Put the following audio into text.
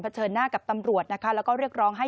เผชิญหน้ากับตำรวจและเรียกร้องให้